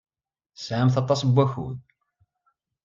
Tesɛamt aṭas n wakud.